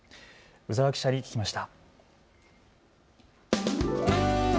鵜澤記者に聞きました。